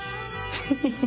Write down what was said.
フフフ。